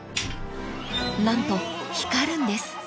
［何と光るんです］